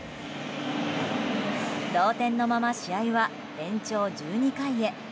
同点のまま試合は延長１２回へ。